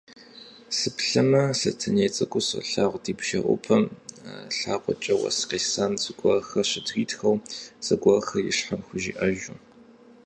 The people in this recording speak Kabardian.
Сыплъэмэ, Сэтэней цӏыкӏу солагъур, ди бжэӏупэм лъакъуэкӏэ уэс къесам зыгуэрхэр щытритхэу, зыгуэрхэр ищхьэ хужиӏэжу.